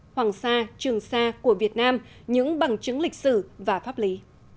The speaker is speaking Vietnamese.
hoàng sa trường sa của việt nam những bằng chứng lịch sử và pháp lý